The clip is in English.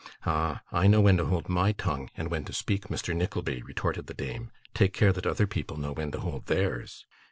'Ah, I know when to hold my tongue, and when to speak, Mr. Nickleby,' retorted the dame. 'Take care that other people know when to hold theirs.